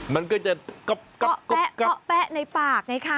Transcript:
มันก็จะก๊อบแป๊ะในปากไงคะ